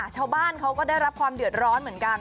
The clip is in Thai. ชาวบ้านเขาก็ได้รับความเดือดร้อนเหมือนกัน